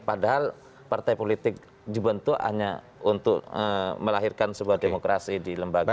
padahal partai politik dibentuk hanya untuk melahirkan sebuah demokrasi di lembaga